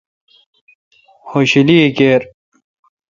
خوشلی کیر